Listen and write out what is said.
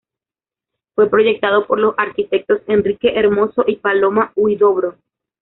Fue proyectado por los arquitectos Enrique Hermoso y Paloma Huidobro.